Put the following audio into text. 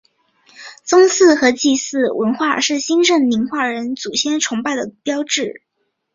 宗祠和祭祀文化的兴盛是宁化人祖先崇拜的标志。